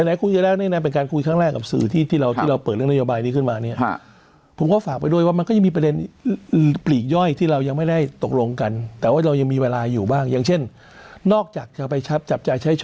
เนี่ยเป็นการคุยครั้งแรกกับสื่อที่เราเปิดเรื่องนโยบายที่นี่ขึ้นมานี่